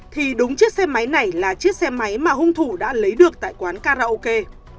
thì đúng chiếc xe máy này là chiếc xe máy mà hung thủ đã lấy được tại quán karaoke